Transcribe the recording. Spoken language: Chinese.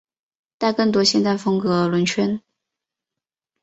带更多现代风格轮圈。